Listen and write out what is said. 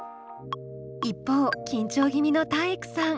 一方緊張気味の体育さん。